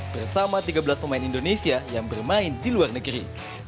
bersama tiga belas pemain indonesia yang bermain di luar negeri